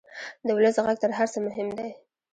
د ولس غږ تر هر څه مهم دی.